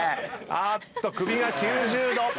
あっと首が９０度！